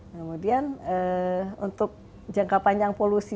kemudian untuk jangka panjang polusi